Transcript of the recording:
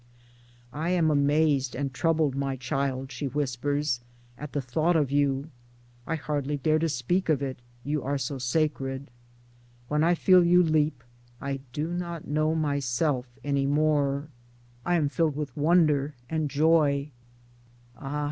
I am amazed and troubled, my child, she whispers — at the thought of you; I hardly dare to speak of it, you are so sacred ; When I feel you leap I do not know myself any more — Towards Democracy 93 I am filled with wonder and joy — Ah